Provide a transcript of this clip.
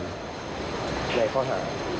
ในข้อถาม